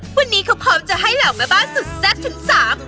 วันนี้เขาพร้อมจะให้เหล่าแม่บ้านสุดแซ่บทั้งสาม